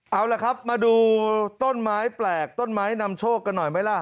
เอาล่ะครับมาดูต้นไม้แปลกต้นไม้นำโชคกันหน่อยไหมล่ะ